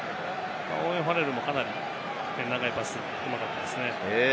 オーウェン・ファレルも、かなり長いパス、うまかったですね。